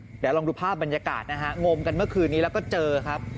เดี๋ยวลองดูภาพบรรยากาศนะฮะงมกันเมื่อคืนนี้แล้วก็เจอครับ